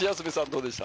どうでした？